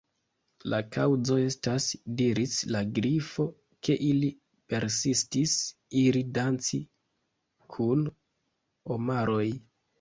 "La kaŭzo estas," diris la Grifo, "ke ili persistis iri danci kun omaroj »